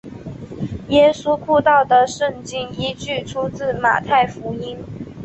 耶稣步道的圣经依据出自马太福音。